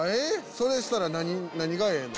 それしたら何がええの？